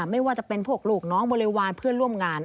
ไม่ว่าจะเป็นพวกลูกน้องบริวารเพื่อนร่วมงาน